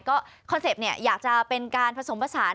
ก็คอนเซ็ปต์เนี่ยอยากจะเป็นการผสมผสาน